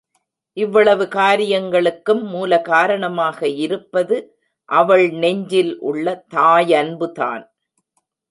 இவ்வளவு காரியங்களுக்கும் மூலகாரணமாக இருப்பது அவள் நெஞ்சில் உள்ள தாயன்புதான்.